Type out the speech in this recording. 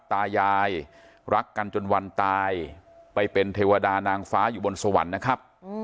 ตายายรักกันจนวันตายไปเป็นเทวดานางฟ้าอยู่บนสวรรค์นะครับ